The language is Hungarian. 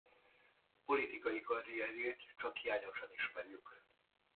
Politikai karrierjét csak hiányosan ismerjük.